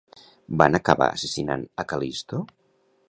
Van acabar assassinant a Cal·listo?